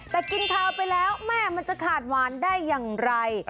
แต่กินข้าวไปแล้วแม่มันจะขาดหวานได้อย่างไร